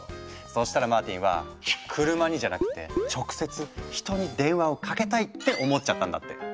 そしたらマーティンは「クルマにじゃなくって直接人に電話をかけたい」って思っちゃったんだって。